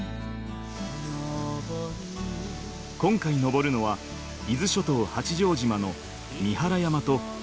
今回登るのは伊豆諸島八丈島の三原山と八丈富士。